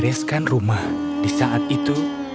dan suatu hari takdirnya berubah